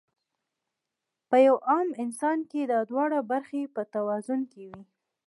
پۀ يو عام انسان کې دا دواړه برخې پۀ توازن کې وي -